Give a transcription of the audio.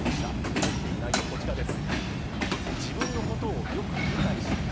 思っている内容、こちらです。